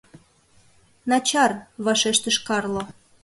— Начар, — вашештыш Карло.